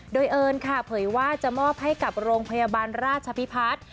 โดยเอิญค่ะเผยว่าจะมอบให้กับโรงพยาบาลราชพิพัฒน์